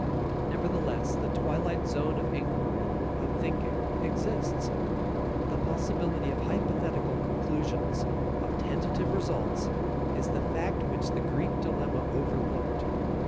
Nevertheless the twilight zone of inquiry, of thinking, exists. The possibility of hypothetical conclusions, of tentative results, is the fact which the Greek dilemma overlooked.